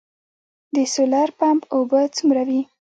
د سولر پمپ اوبه څومره وي؟